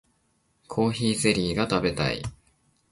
コーヒーゼリーが食べたい